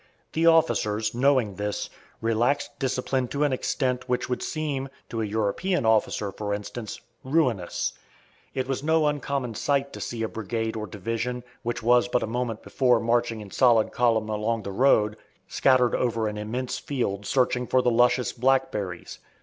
The officers, knowing this, relaxed discipline to an extent which would seem, to a European officer, for instance, ruinous. It was no uncommon sight to see a brigade or division, which was but a moment before marching in solid column along the road, scattered over an immense field searching for the luscious blackberries.